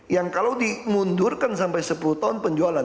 yang kalau dimundurkan sampai sepuluh tahun penjualan